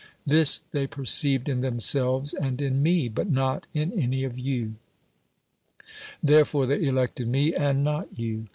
This they perceived in themselves and in me, but not in any of you ; therefore, they elected me, and not you.